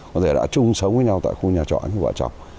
có thể đã chung sống với nhau tại khu nhà trọ như vợ chồng